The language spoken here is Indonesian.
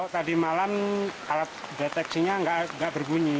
tadi malam alat deteksinya nggak berbunyi